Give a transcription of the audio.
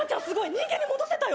人間に戻せたよ